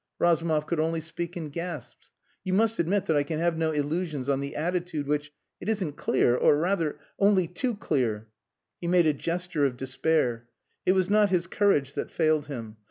Razumov could only speak in gasps. "You must admit that I can have no illusions on the attitude which...it isn't clear...or rather only too clear." He made a gesture of despair. It was not his courage that failed him.